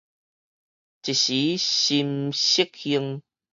一時心適興